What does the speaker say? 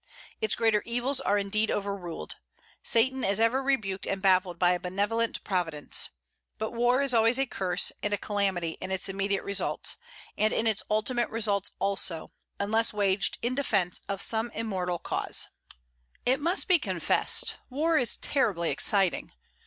Its greater evils are indeed overruled; Satan is ever rebuked and baffled by a benevolent Providence. But war is always a curse and a calamity in its immediate results, and in its ultimate results also, unless waged in defence of some immortal cause. It must be confessed, war is terribly exciting.